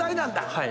はい。